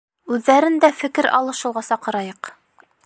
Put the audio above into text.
Үҙҙәрен дә фекер алышыуға саҡырайыҡ...